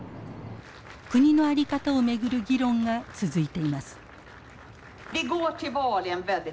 国のあり方を巡る議論が続いています。